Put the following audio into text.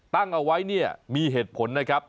ตั้งเอาไว้เนี่ยมีเหตุผลนะครับ